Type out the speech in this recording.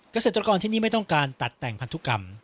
เกษตรกรที่นี่ไม่ต้องการตัดแต่งพันธุกรรม